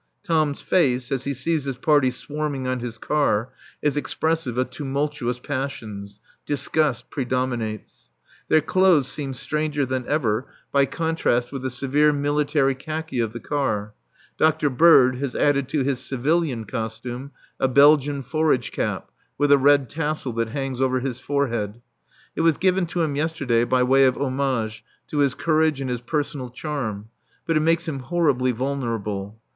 Tom's face, as he sees this party swarming on his car, is expressive of tumultuous passions. Disgust predominates. Their clothes seem stranger than ever by contrast with the severe military khaki of the car. Dr. Bird has added to his civilian costume a Belgian forage cap with a red tassel that hangs over his forehead. It was given to him yesterday by way of homage to his courage and his personal charm. But it makes him horribly vulnerable.